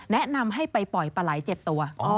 แนะนำให้ไปปล่อยปลาไหล๗ตัว